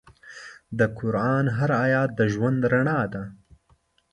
د قرآن هر آیت د ژوند رڼا ده.